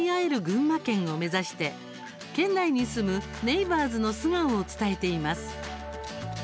群馬県を目指して県内に住むネイバーズの素顔を伝えています。